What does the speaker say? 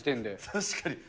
確かに。